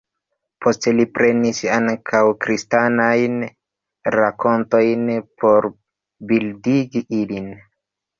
Poste li prenis ankaŭ kristanajn rakontojn por bildigi ilin.